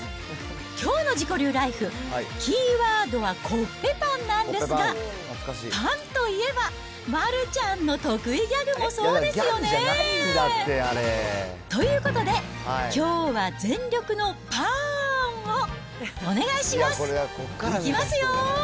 きょうの自己流ライフ、キーワードはコッペパンなんですが、パンといえば、丸ちゃんの得意ギャグもそうですよね。ということで、きょうは全力のパーン！をお願いします。